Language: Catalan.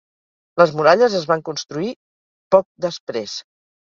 Les muralles es van construir poc després.